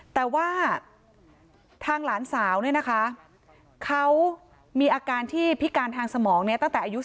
แต่ว่าทางหลานสาวเนี่ยนะคะเขามีอาการที่พิการทางสมองเนี่ยตั้งแต่อายุ